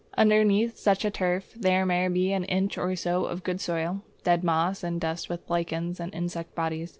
Underneath such a turf there may be an inch or so of good soil (dead moss and dust with lichen and insect bodies).